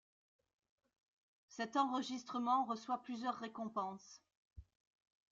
Cet enregistrement reçoit plusieurs récompenses.